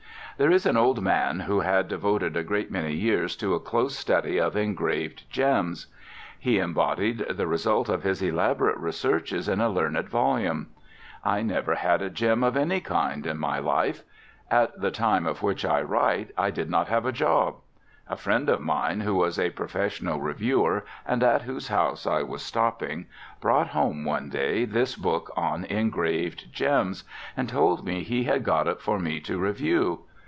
There was an old man who had devoted a great many years to a close study of engraved gems. He embodied the result of his elaborate researches in a learned volume. I never had a gem of any kind in my life; at the time of which I write I did not have a job. A friend of mine, who was a professional reviewer, and at whose house I was stopping, brought home one day this book on engraved gems, and told me he had got it for me to review.